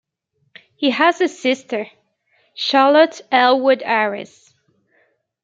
He has a sister, Charlotte Ellwood-Aris.